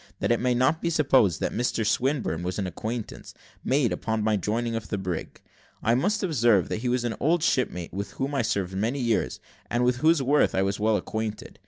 That it may not be supposed that Mr Swinburne was a new acquaintance, made upon my joining the brig, I must observe, that he was an old shipmate, with whom I had served many years, and with whose worth I was well acquainted.